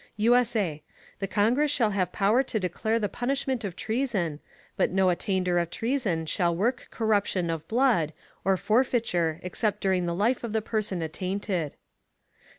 [USA] The Congress shall have Power to declare the Punishment of Treason, but no Attainder of Treason shall work Corruption of Blood, or Forfeiture except during the Life of the Person attainted.